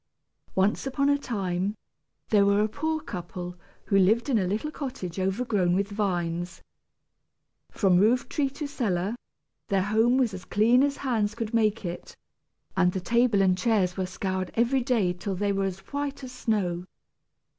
Once upon a time, there were a poor couple who lived in a little cottage overgrown with vines. From roof tree to cellar, their home was as clean as hands could make it, and the table and chairs were scoured every day till they were as white as snow.